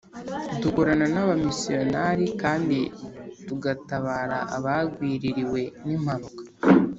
Dukorana n’abamisiyonari kandi tugatabara abagwiririwe n’impanuka